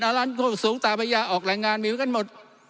อารรันท์โคกสูงตาพระยาออกแหล่งงานมีกันหมด